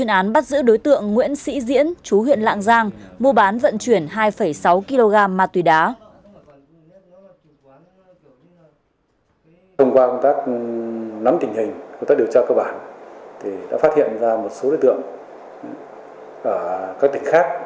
và bắt giữ khởi tố đối tượng nguyễn sĩ diễn chú huyện lạng giang mua bán vận chuyển hai sáu kg mặt tùy đá